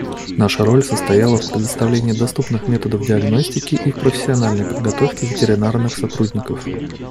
Наша роль состояла в предоставлении доступных методов диагностики и в профессиональной подготовке ветеринарных сотрудников.